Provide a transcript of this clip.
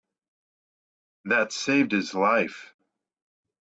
That saved his life.